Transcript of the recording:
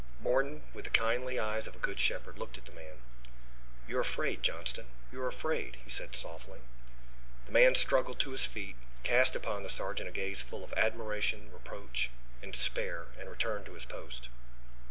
Morton, with the kindly eyes of a good shepherd, looked at the man. "You are afraid, Johnston, you are afraid," he said softly. The man struggled to his feet, cast upon the sergeant a gaze full of admiration, reproach, and despair, and returned to his post.